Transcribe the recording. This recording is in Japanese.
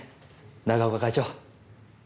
永岡会長！